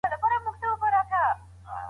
د ماشومانو لخوا د زده کړې پروسه سخته نه وي.